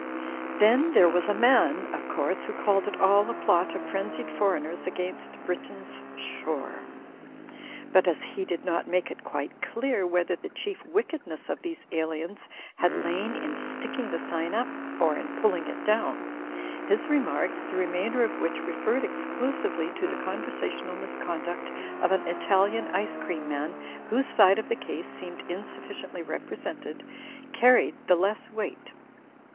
Then there was a man, of course, who called it all a plot of frenzied foreigners against Britain's shore. But as he did not make it quite clear whether the chief wickedness of these aliens had lain in sticking the sign up or in pulling it down, his remarks (the remain der of which referred exclusively to the conversational Digitized by CjOOQ IC HIGHER CRITICISM AND MR. HIBBS 105 misconduct of an Italian ice cream man, whose side of the case seemed insufficiently represented) carried the less weight.